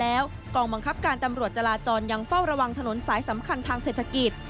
แล้วกองบังคับการตำรวจจราจรยังเฝ้าระวังถนนสายสำคัญทางเศรษฐกิจ